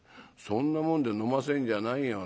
そんなもんで飲ませんじゃないよ